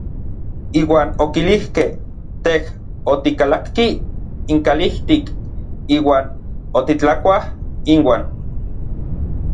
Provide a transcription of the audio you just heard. Iuan okilijkej: Tej otikalakki inkalijtik iuan otitlakuaj inuan.